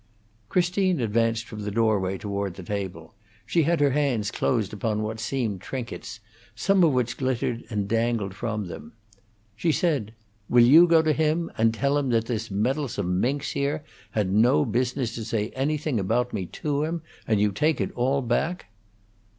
Christine advanced from the doorway toward the table; she had her hands closed upon what seemed trinkets, some of which glittered and dangled from them. She said, "Will you go to him and tell him that this meddlesome minx, here, had no business to say anything about me to him, and you take it all back?"